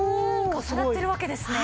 重なってるわけですね。